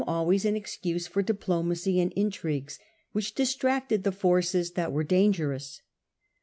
Iways an excuse for well go diplomacy and intrigues, which distracted the forces that were dangerous.